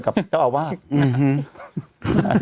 กับเจ้าอาวาส